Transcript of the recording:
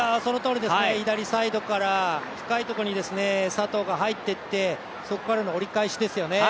左サイドから深いところに佐藤が入っていってそこからの折り返しですよね